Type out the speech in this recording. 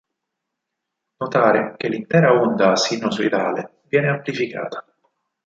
Notare che l'intera onda sinusoidale viene amplificata.